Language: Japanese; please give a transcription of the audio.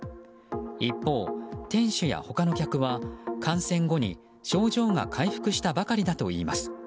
一方、店主や他の客は感染後に症状が回復したばかりだといいます。